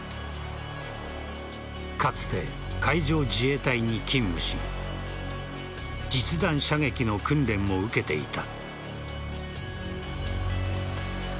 かつて海上自衛隊に勤務し実弾射撃の訓練も受けていた。